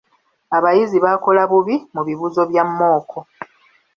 Abayizi baakola bubi mu bibuuzo ebya mmooko.